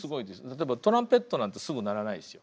例えばトランペットなんてすぐ鳴らないですよ。